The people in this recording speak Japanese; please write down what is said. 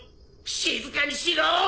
静かにしろ！